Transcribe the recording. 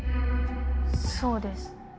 そうです。